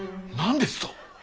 何ですと！